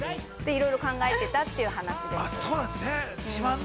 いろいろ考えてたって話です。